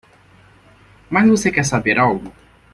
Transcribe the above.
Mas você quer saber algo?